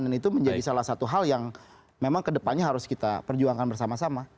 dan itu menjadi salah satu hal yang memang ke depannya harus kita perjuangkan bersama sama